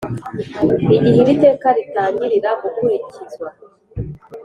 Igihe iri teka ritangirira gukurikizwa